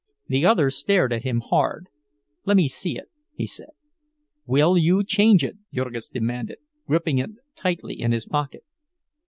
The other stared at him hard. "Lemme see it," he said. "Will you change it?" Jurgis demanded, gripping it tightly in his pocket.